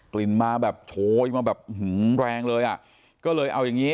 ลิ่นมาแบบโชยมาแบบแรงเลยอ่ะก็เลยเอาอย่างงี้